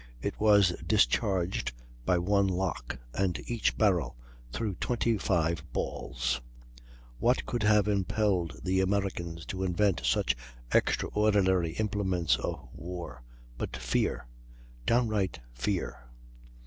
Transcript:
It was discharged by one lock, and each barrel threw 25 balls. What could have impelled the Americans to invent such extraordinary implements of war but fear, down right fear?"